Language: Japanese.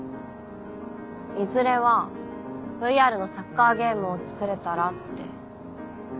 いずれはＶＲのサッカーゲームを作れたらって。